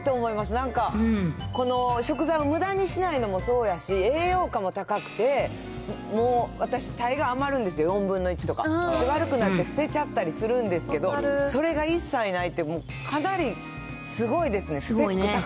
なんか、この食材をむだにしないのもそうやし、栄養価も高くて、もう、私、たいがい余るんですよ、４分の１とか、悪くなって捨てちゃったりするんですけど、それが一切ないって、もう、かなりすごいですね。